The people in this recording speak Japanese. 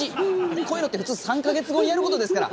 こういうのって普通３か月後にやることですから。